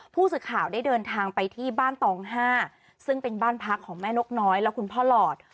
ผู้สื่อข่าวได้เดินทางไปที่บ้านตอง๕ซึ่งเป็นบ้านพักของแม่นกน้อยและคุณพ่อหลอด